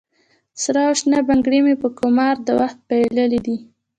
سره او شنه بنګړي مې په قمار د وخت بایللې دي